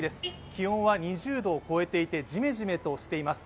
気温は２０度を超えていてジメジメとしています。